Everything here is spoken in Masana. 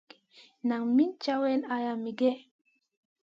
Nan min caŋu ala migè?